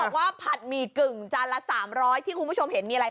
ผัดหมี่กึ่งจานละ๓๐๐ที่คุณผู้ชมเห็นมีอะไร